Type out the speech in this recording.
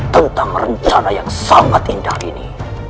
tentang rencana yang sangat indah ini